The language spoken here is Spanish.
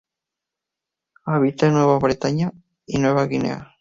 Habita en Nueva Bretaña y Nueva Guinea.